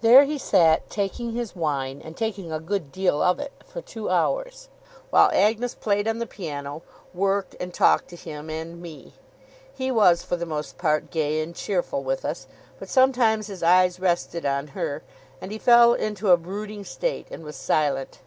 There he sat, taking his wine, and taking a good deal of it, for two hours; while Agnes played on the piano, worked, and talked to him and me. He was, for the most part, gay and cheerful with us; but sometimes his eyes rested on her, and he fell into a brooding state, and was silent.